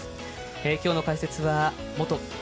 今日の解説は元